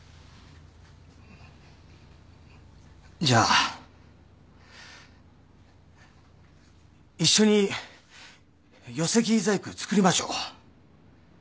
じゃあ一緒に寄せ木細工作りましょう